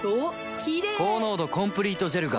キレイ高濃度コンプリートジェルが